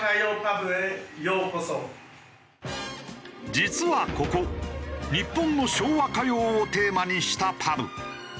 実はここ日本の昭和歌謡をテーマにしたパブ。